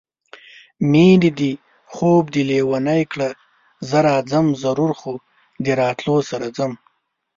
مېنې دې خوب دې لېونی کړه زه راځم ضرور خو د راتلو سره ځم